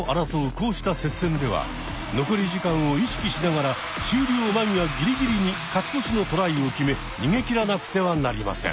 こうした接戦では残り時間を意識しながら終了間際ギリギリに勝ち越しのトライを決め逃げきらなくてはなりません。